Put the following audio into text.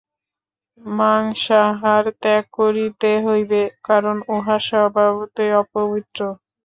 মাংসাহার ত্যাগ করিতে হইবে, কারণ উহা স্বভাবতই অপবিত্র।